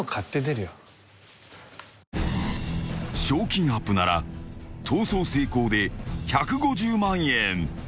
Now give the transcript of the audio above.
［賞金アップなら逃走成功で１５０万円］